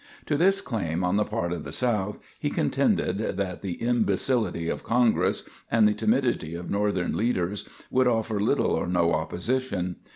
To this claim on the part of the South he contended that the imbecility of Congress and the timidity of Northern leaders would offer little or no opposition.